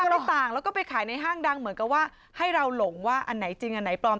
รถต่างแล้วก็ไปขายในห้างดังเหมือนกับว่าให้เราหลงว่าอันไหนจริงอันไหนปลอม